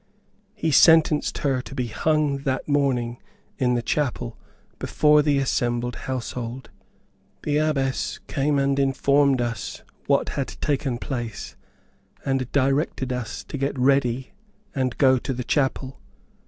He sentenced her to be hung that morning in the chapel before the assembled household. The Abbess came and informed us what had taken place, and directed us to get ready and go to the chapel.